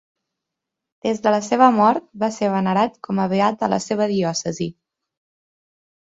Des de la seva mort, va ser venerat com a beat a la seva diòcesi.